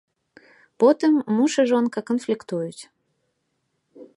Потым муж і жонка канфліктуюць.